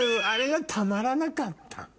あれがたまらなかった。